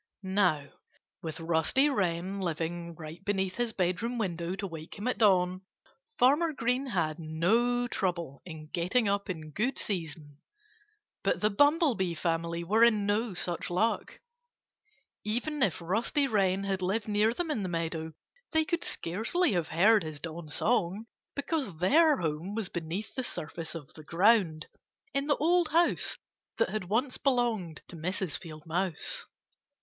Now, with Rusty Wren living right beneath his bedroom window to wake him at dawn, Farmer Green had no trouble in getting up in good season. But the Bumblebee family were in no such luck. Even if Rusty Wren had lived near them in the meadow they could scarcely have heard his dawn song, because their home was beneath the surface of the ground, in the old house that had once belonged to Mrs. Field Mouse.